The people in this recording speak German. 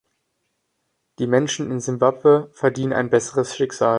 Die Menschen in Simbabwe verdienen ein besseres Schicksal.